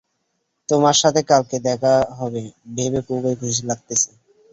তোমার সাথে কালকে দেখা হবে ভেবে খুবই খুশি লাগছে।